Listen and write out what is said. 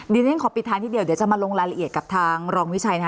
เดี๋ยวฉันขอปิดท้ายนิดเดียวเดี๋ยวจะมาลงรายละเอียดกับทางรองวิชัยนะคะ